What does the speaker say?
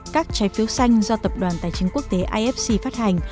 các trái phiếu xanh do tập đoàn tài chính quốc tế ifc phát hành